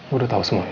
gua udah tau semuanya